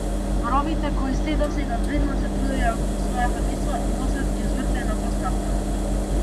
Зборовите кои сѐ до сега вредно се трудеа околу својата смисла носат извртена постава.